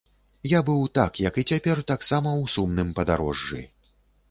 Я быў, так як і цяпер, таксама ў сумным падарожжы.